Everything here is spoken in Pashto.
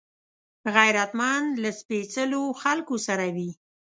غیرتمند له سپېڅلو خلکو سره وي